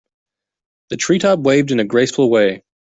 The tree top waved in a graceful way.